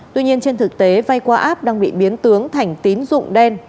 tuy nhiên trên thực tế vay qua app đang bị biến tướng thành tín dụng đen